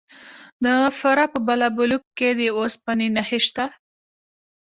د فراه په بالابلوک کې د وسپنې نښې شته.